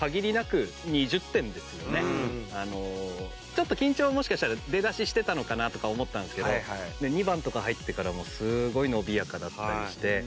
ちょっと緊張もしかしたら出だししてたのかな？とか思ったんですけど２番とか入ってからもうすごい伸びやかだったりして。